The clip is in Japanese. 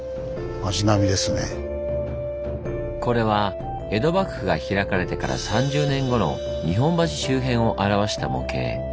これは江戸幕府が開かれてから３０年後の日本橋周辺をあらわした模型。